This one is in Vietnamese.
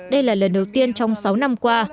đây là lần đầu tiên trong sáu năm qua